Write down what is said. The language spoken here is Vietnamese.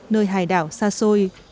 nơi hải đảo xa xôi